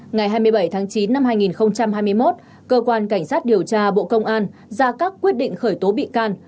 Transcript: ngày hai mươi bảy tháng chín năm hai nghìn hai mươi một cơ quan cảnh sát điều tra bộ công an ra các quyết định khởi tố bị can